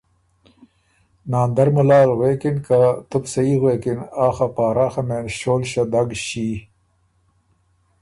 ناندر مُلال غوېکِن که ”تُو بو سهي غوېکِن آ خه پاراخه مېن ݭول ݭدګ ݭي۔